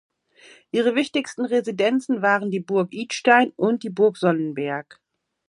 Ihre wichtigste Residenzen waren die Burg Idstein und die Burg Sonnenberg.